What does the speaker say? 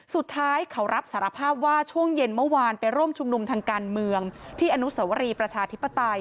สุดท้ายเขารับสารภาพว่าช่วงเย็นเมื่อวานไปร่วมชุมนุมทางการเมืองที่อนุสวรีประชาธิปไตย